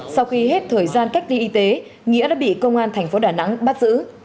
sau khi hết thời gian cách ly y tế nghĩa đã bị công an thành phố đà nẵng bắt giữ